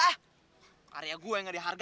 eh tunggu tunggu tunggu